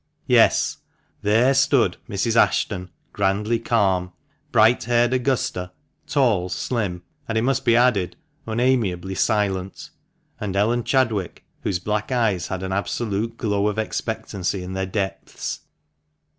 Yes, there stood Mrs. Ashton, grandly calm ; bright haired Augusta, tall, slim, and, it must be added, unamiably silent ; and Ellen Chadwick, whose black eyes had an absolute glow of expectancy in their depths.